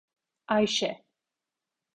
Ayşe